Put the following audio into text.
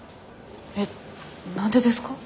えっ何でですか？